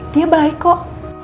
dia baik kok